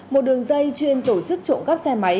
một đường dây chuyên tổ chức trộm cắp xe máy